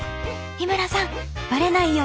日村さんバレないように気を付けて。